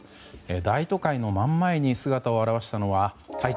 大都会の真ん前に姿を現したのは体長